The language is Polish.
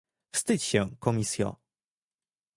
Wstydź się, Komisjo!